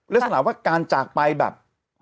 ลักษณะว่าการจากไปแบบ